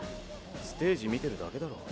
ステージ見てるだけだろ。